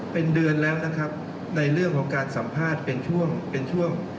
เป็นเดือนแล้วนะครับในเรื่องของการสัมภาษณ์เป็นช่วงเป็นช่วง